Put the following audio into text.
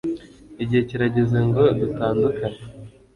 igihe kirageze ngo dutandukane